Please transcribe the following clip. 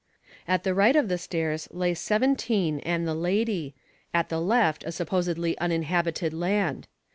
At the right of the stairs lay seventeen and the lady, at the left a supposedly uninhabited land.